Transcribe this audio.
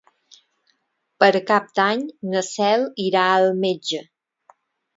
Per Cap d'Any na Cel irà al metge.